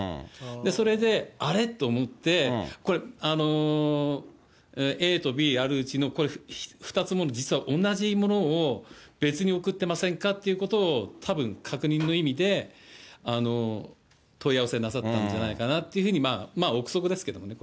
それで、あれ？と思って、これ、ＡとＢあるうちのこれ２つとも、同じものを別に送ってませんかということを、たぶん確認の意味で、問い合わせなさったんじゃないかなと、まあ、臆測ですけどね。